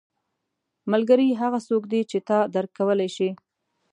• ملګری هغه څوک دی چې تا درک کولی شي.